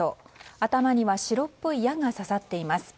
頭には白っぽい矢が刺さっています。